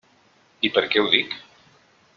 I per què ho dic?